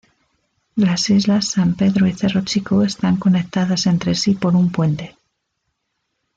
La Islas San Pedro y Cerro Chico están conectadas entre sí por un puente.